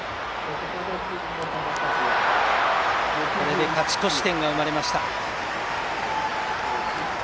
これで勝ち越し点が生まれました。